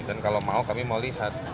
dan kalau mau kami mau lihat